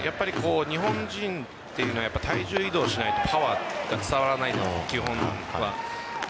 日本人というのは体重移動しないとパワーが伝わらないのが基本で。